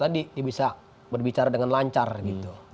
tadi dia bisa berbicara dengan lancar gitu